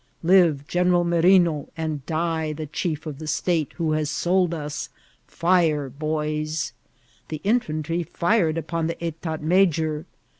Live General Merino, and die the chief of the state, who has fxM us — fire, boys,'' the infantry fired iqpon the etat major.